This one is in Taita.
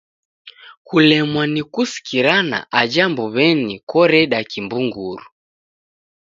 Kulemwa ni kusikirana aja mbuw'enyi koreda kibunguru.